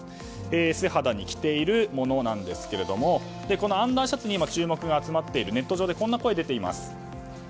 素肌に着ているものなんですがこのアンダーシャツに今、注目が集まっているネット上でこんな声が出ています。